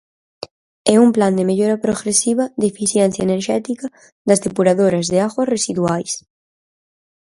E un plan de mellora progresiva de eficiencia enerxética das depuradoras de augas residuais.